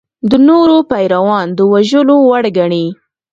د نورو پیروان د وژلو وړ ګڼي.